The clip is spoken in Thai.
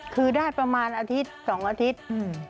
คือได้ประมาณอาทิตย์สองอาทิตย์อืม